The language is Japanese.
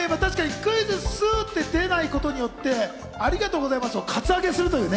今、「クイズッス」って出ないことによって、ありがとうございますをカツアゲするという。